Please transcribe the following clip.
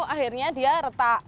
akhirnya dia retak